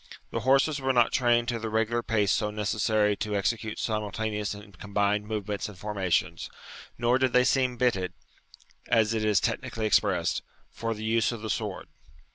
The horses were not trained to the regular pace so necessary to execute simultaneous and combined movements and formations; nor did they seem bitted (as it is technically expressed) for the use of the sword.